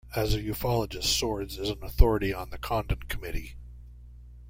As a ufologist, Swords is an authority on the Condon Committee.